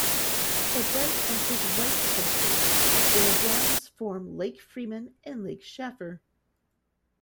It then enters White County, where dams form Lake Freeman and Lake Shafer.